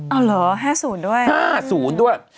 เอาเหรอ๕๐ด้วย๕๐ด้วย